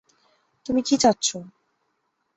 তুমি কি চাচ্ছো?